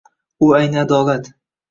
U ayni adolat